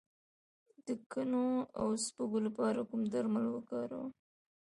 د کنو او سپږو لپاره کوم درمل وکاروم؟